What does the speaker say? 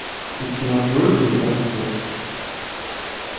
It's not routine practice.